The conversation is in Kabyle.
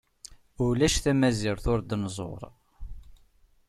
Ulac tamazirt ur d-nzuṛ.